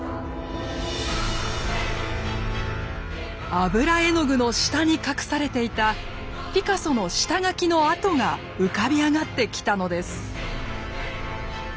油絵の具の下に隠されていたピカソの下描きの跡が浮かび上がってきたのです。